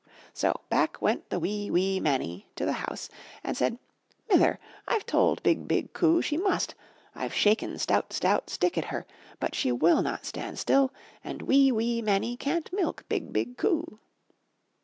So back went the wee, wee Mannie to 236 I N THE NURSERY the house and said: *'Mither, I've told BIG, BIG COO she must, Fve shaken stout, stout stick at her, but she will not stand still, and wee, wee Mannie can't milk BIG, BIG COO."